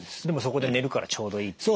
でもそこで寝るからちょうどいい？